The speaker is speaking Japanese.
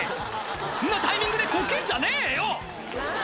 「こんなタイミングでこけんじゃねえよ！」